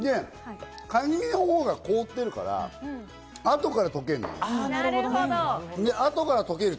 カニ身のほうが凍ってるから後から溶ける。